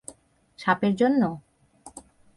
সাপের জন্য?